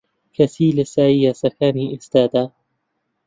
کەچی لە سایەی یاساکانی ئێستەدا